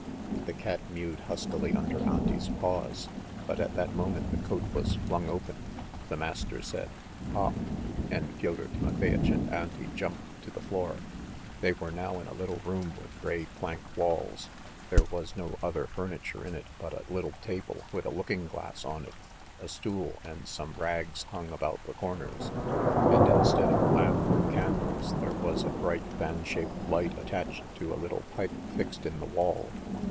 The cat mewed huskily under Auntie's paws, but at that moment the coat was flung open, the master said, "Hop!" and Fyodor Timofeyitch and Auntie jumped to the floor. They were now in a little room with grey plank walls; there was no other furniture in it but a little table with a looking glass on it, a stool, and some rags hung about the corners, and instead of a lamp or candles, there was a bright fan shaped light attached to a little pipe fixed in the wall.